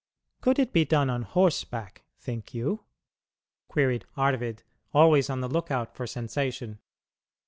"Could it be done on horseback, think you?" queried Arvid, always on the lookout for sensation.